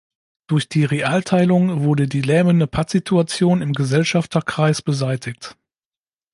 Durch die Realteilung wurde die lähmende Pattsituation im Gesellschafterkreis beseitigt.